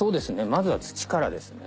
まずは土からですね